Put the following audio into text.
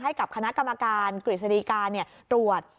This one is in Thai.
ให้กับคณะกรรมการกฤษฎีการตรวจ